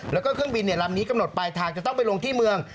แล้วก็เครื่องบินลำนี้กำหนดปลายทางจะต้องไปลงที่เมือง